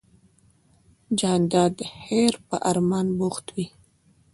جانداد د خیر په ارمان بوخت وي.